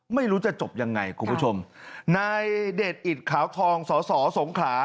ไม่รู้จะจบยังไงคุณผู้ชมนายเดชอิตขาวทองสอสอสงขลา